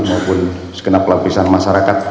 maupun sekenap lapisan masyarakat